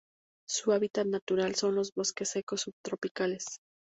Su hábitat natural son los bosques secos subtropicales.